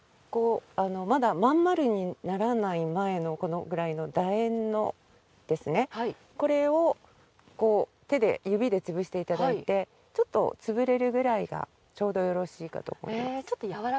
まだ、真ん丸にならない前のだ円のこれを手で指で潰していただいてちょっと潰れるぐらいがちょうどよろしいかと思います。